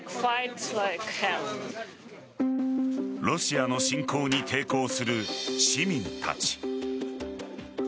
ロシアの侵攻に抵抗する市民たち。